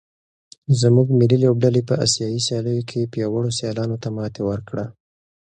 زموږ ملي لوبډلې په اسیايي سیالیو کې پیاوړو سیالانو ته ماتې ورکړې ده.